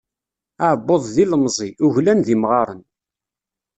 Aɛebbuḍ d ilemẓi, uglan d imɣaṛen.